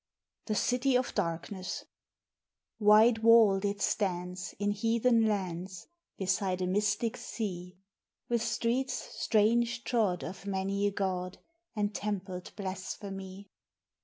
THE CITY OF DARKNESS Wide walled it stands in heathen lands Beside a mystic sea, With streets strange trod of many a god, And templed blasphemy.